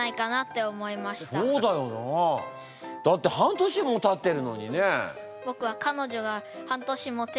だって半年もたってるのにね。